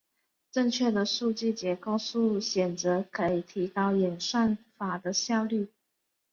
正确的数据结构选择可以提高演算法的效率。